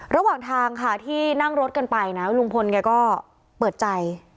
ระหว่างทางค่ะที่นั่งรถกันไปนะลุงพลแกก็เปิดใจ